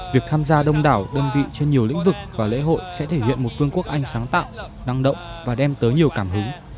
việc tham gia đông đảo đơn vị trên nhiều lĩnh vực và lễ hội sẽ thể hiện một phương quốc anh sáng tạo năng động và đem tới nhiều cảm hứng